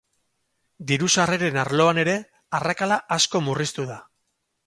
Diru-sarreren arloan ere, arrakala asko murriztu da.